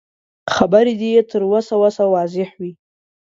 خبرې دې يې تر وسه وسه واضح وي.